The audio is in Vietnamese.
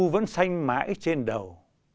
vẫn xanh mãi trên đầu